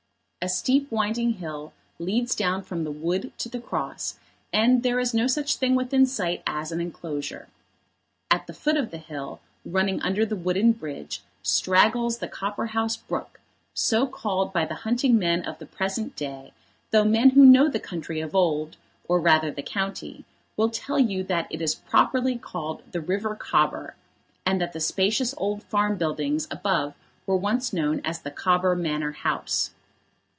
A steep winding hill leads down from the Wood to the Cross, and there is no such thing within sight as an enclosure. At the foot of the hill, running under the wooden bridge, straggles the Copperhouse Brook, so called by the hunting men of the present day, though men who know the country of old, or rather the county, will tell you that it is properly called the river Cobber, and that the spacious old farm buildings above were once known as the Cobber Manor House.